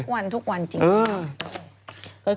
เสื่อมไปทุกวันทุกวันจริง